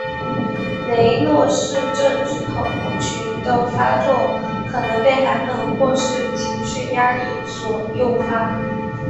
雷诺氏症候群的发作可能被寒冷或是情绪压力所诱发。